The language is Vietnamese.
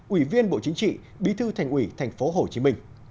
ủy viên bộ chính trị bí thư thành ủy tp hcm